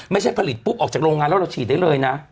ไม่ใช่ผลิตปุ๊บออกจากโรงงานแล้วเราฉีดได้เลยนะ